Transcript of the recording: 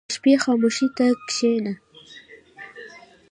• د شپې خاموشي ته کښېنه.